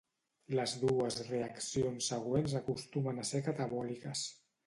Les dues reaccions següents acostumen a ser catabòliques.